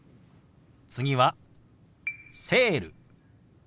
次は「セール」。